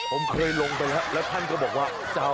ผมเคยลงไปแล้วแล้วท่านก็บอกว่า